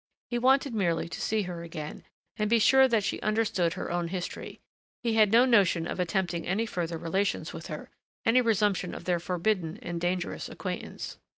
He wanted merely to see her again, and be sure that she understood her own history he had no notion of attempting any further relations with her, any resumption of their forbidden and dangerous acquaintance.